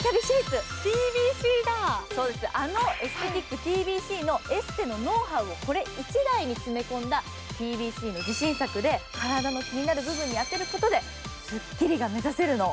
あのエステティック、ＴＢＣのノウハウをこれ１台に詰め込んだＴＢＣの自信作で、体の気になる部分に当てることでスッキリが目指せるの。